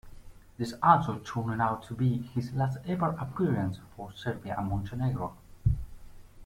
This also turned out to be his last ever appearance for Serbia and Montenegro.